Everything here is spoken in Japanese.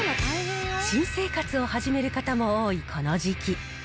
新生活を始める方も多いこの時期。